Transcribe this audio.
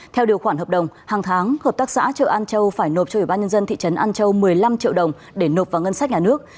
theo điều khoản hợp đồng hàng tháng hợp tác xã chợ an châu phải nộp cho ubnd thị trấn an châu một mươi năm triệu đồng để nộp vào ngân sách nhà nước